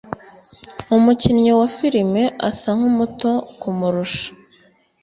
Umukinnyi wa filime asa nkumuto kumurusha.